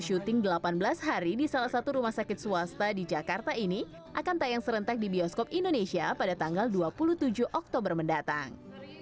syuting delapan belas hari di salah satu rumah sakit swasta di jakarta ini akan tayang serentak di bioskop indonesia pada tanggal dua puluh tujuh oktober mendatang